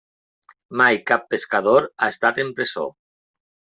Mai cap pescador ha estat en presó.